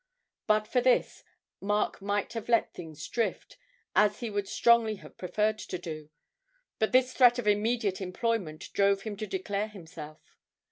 But for this, Mark might have let things drift, as he would strongly have preferred to do, but this threat of immediate employment drove him to declare himself.